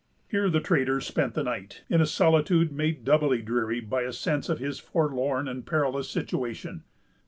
Here the trader spent the night, in a solitude made doubly dreary by a sense of his forlorn and perilous situation.